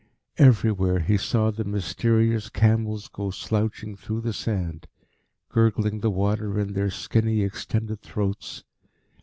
Everywhere he saw the mysterious camels go slouching through the sand, gurgling the water in their skinny, extended throats.